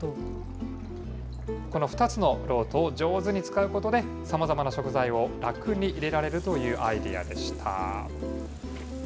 この２つの漏斗を上手に使うことで、さまざまな食材を楽に入れられるというアイデアでした。